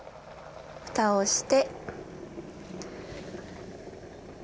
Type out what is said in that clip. ふたをして。